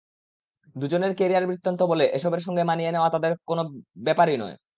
দুজনের ক্যারিয়ার-বৃত্তান্ত বলে এসবের সঙ্গে মানিয়ে নেওয়া তাঁদের জন্য কোনো ব্যাপারই নয়।